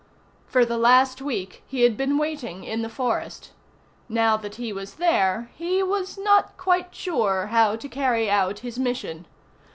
For the last week he had been waiting in the forest. Now that he was there, he was not quite sure how to carry out his mission.